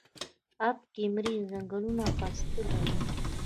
اب کمري ځنګلونه پسته لري؟